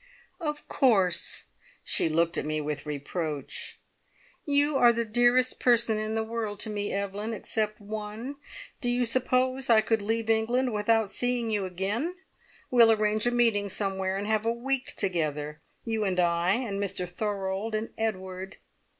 "Of course." She looked at me with reproach. "You are the dearest person in the world to me, Evelyn except one. Do you suppose I could leave England without seeing you again? We'll arrange a meeting somewhere, and have a week together. You and I, and Mr Thorold, and Edward."